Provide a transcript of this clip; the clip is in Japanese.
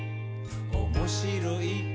「おもしろい？